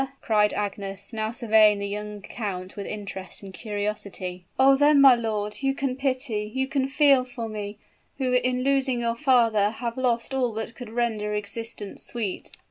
cried Agnes, now surveying the young count with interest and curiosity. "Oh! then, my lord, you can pity you can feel for me, who in losing your father have lost all that could render existence sweet!"